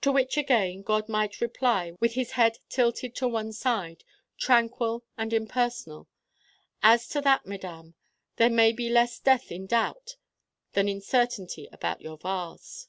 To which, again, God might reply with his head tilted to one side, tranquil and impersonal: 'As to that, Madame, there may be less death in doubt than in certainty about your vase.